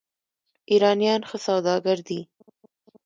ایرانیان ښه سوداګر دي.